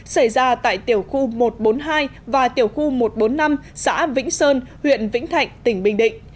xảy ra tại tiểu khu một trăm bốn mươi hai và tiểu khu một trăm bốn mươi năm xã vĩnh sơn huyện vĩnh thạnh tỉnh bình định